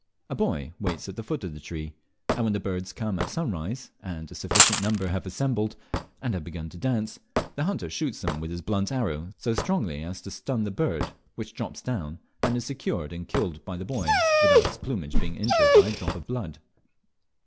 A boy waits at the foot of the tree, and when the birds come at sunrise, and a sufficient number have assembled, and have begun to dance, the hunter shoots with his blunt arrow so strongly as to stun the bird, which drops down, and is secured and killed by the boy without its plumage being injured by a drop of blood.